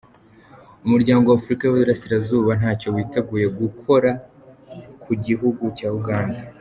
Umuryango w’Afurika y’Iburasirazuba ntacyo witeguye gukora ku gihugu cya Uganda.